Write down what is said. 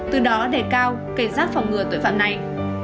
từ đó đề cao cảnh giác phòng ngừa tội phạm này